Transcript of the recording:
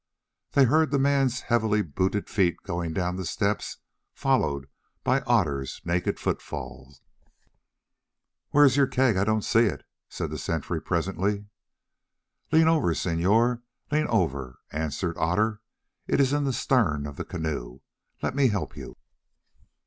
They heard the man's heavily booted feet going down the steps followed by Otter's naked footfall. "Where is your keg? I don't see it," said the sentry presently. "Lean over, senor, lean over," answered Otter; "it is in the stern of the canoe. Let me help you."